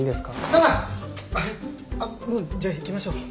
もうじゃあ行きましょう。